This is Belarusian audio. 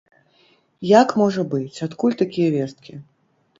Як можа быць, адкуль такія весткі?